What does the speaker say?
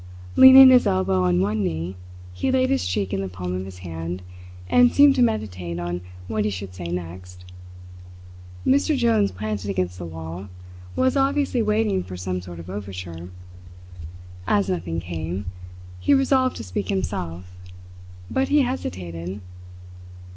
Leaning his elbow on one knee, he laid his cheek in the palm of his hand and seemed to meditate on what he should say next. Mr. Jones, planted against the wall, was obviously waiting for some sort of overture. As nothing came, he resolved to speak himself; but he hesitated.